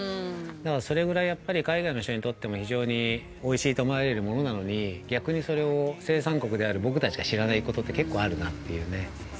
だからそれぐらい海外の人にとっても非常においしいと思われるものなのに、逆にそれを生産国である僕たちが知らないことって、結構あるなっていうね。